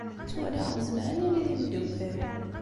Ttwaliɣ nezmer ad nili d imeddukal.